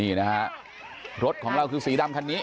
นี่นะฮะรถของเราคือสีดำคันนี้